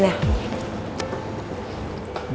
boleh saya minta minuman spesialnya lagi